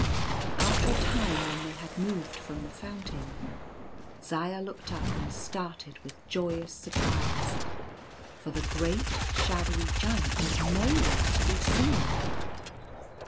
After a time, when they had moved from the fountain, Zaya looked up and started with joyous surprise, for the great shadowy Giant was nowhere to be seen.